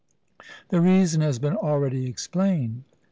The reason has been already explained.